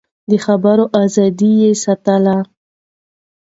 د خبرو ازادي يې ساتله.